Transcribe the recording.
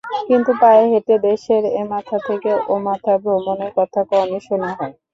কিন্তু পায়ে হেঁটে দেশের এমাথা থেকে ওমাথা ভ্রমণের কথা কমই শোনা হয়।